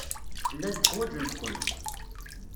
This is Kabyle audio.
Llant ḥwajent-ken.